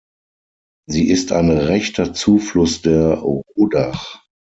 Sie ist ein rechter Zufluss der Rodach.